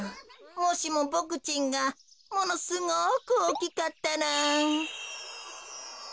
もしもボクちんがものすごくおおきかったら。